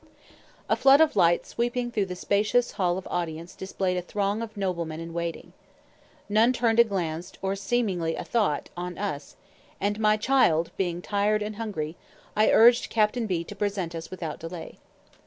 A flood of light sweeping through the spacious Hall of Audience displayed a throng of noblemen in waiting. None turned a glance, or seemingly a thought, on us, and, my child being tired and hungry, I urged Captain B to present us without delay.